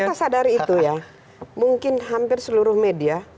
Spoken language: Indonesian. kita sadari itu ya mungkin hampir seluruh media